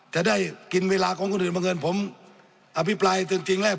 จะได้กินเวลาของคนอื่นบังเอิญผมอภิปรายจริงแล้ว